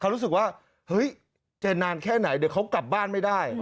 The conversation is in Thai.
รู้สึกว่าเฮ้ยจะนานแค่ไหนเดี๋ยวเขากลับบ้านไม่ได้